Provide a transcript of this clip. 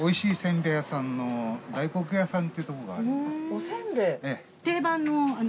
おせんべい。